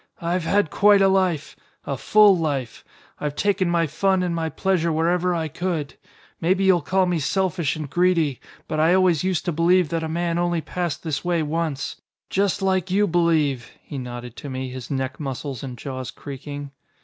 "I've had quite a life. A full life. I've taken my fun and my pleasure wherever I could. Maybe you'll call me selfish and greedy, but I always used to believe that a man only passed this way once. Just like you believe," he nodded to me, his neck muscles and jaws creaking.